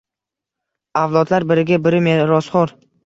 Avlodlar biriga biri merosxoʻr